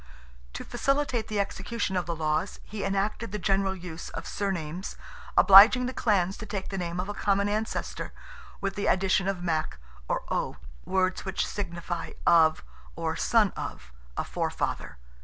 To facilitate the execution of the laws he enacted the general use of surnames, obliging the clans to take the name of a common ancestor, with the addition of "Mac," or "O"—words which signify "of," or "son of," a forefather.